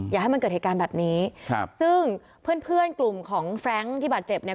อย่าให้มันเกิดเหตุการณ์แบบนี้ครับซึ่งเพื่อนเพื่อนกลุ่มของแฟรงค์ที่บาดเจ็บเนี่ย